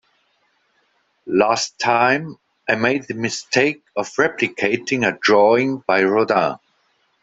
Last time, I made the mistake of replicating a drawing by Rodin.